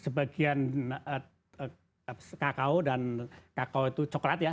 sebagian kakao dan kakao itu coklat ya